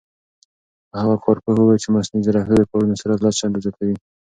هغه کارپوه وویل چې مصنوعي ځیرکتیا د کارونو سرعت لس چنده زیاتوي.